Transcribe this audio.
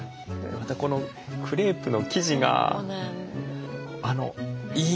またこのクレープの生地がいい弾力があって。